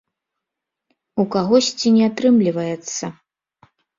У кагосьці не атрымліваецца.